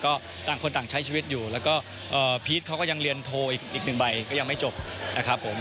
ก็ต่างคนต่างใช้ชีวิตอยู่แล้วก็พีชเขาก็ยังเรียนโทรอีกหนึ่งใบก็ยังไม่จบนะครับผม